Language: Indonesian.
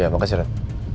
iya makasih ren